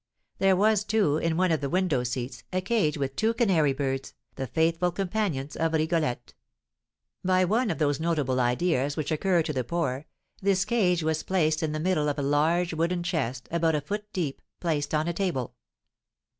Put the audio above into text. There was, too, in one of the window seats, a cage with two canary birds, the faithful companions of Rigolette. By one of those notable ideas which occur to the poor, this cage was placed in the middle of a large wooden chest, about a foot deep, placed on a table.